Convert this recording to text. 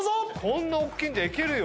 こんなおっきいんじゃいけるよ。